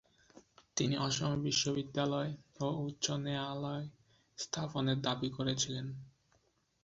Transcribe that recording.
তিনি অসমে বিশ্ববিদ্যালয় ও উচ্চ ন্যায়ালয় স্থাপনের দাবি করেছিলেন।